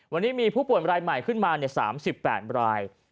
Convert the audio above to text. วันนี้มีผู้ป่วยรายใหม่ขึ้นมา๓๘ราย